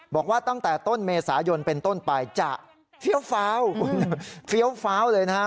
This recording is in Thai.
บอกว่าตั้งแต่ต้นเมษายนเป็นต้นไปจะเฟี้ยวเลยนะครับ